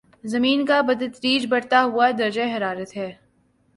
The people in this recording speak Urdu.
زمین کا بتدریج بڑھتا ہوا درجۂ حرارت ہے